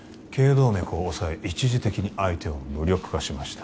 動脈を押さえ一時的に相手を無力化しました